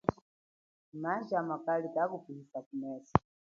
Maji amakali kakupihisa kumeso.